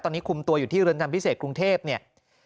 ตอนนี้คุมตัวอยู่ที่เรือนจำพิเศษกรุงเทพเนี่ย